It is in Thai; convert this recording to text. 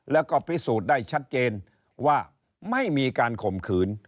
แล้วก็พิสูจน์ได้ชัดเจนว่าไม่มีการข่มขืน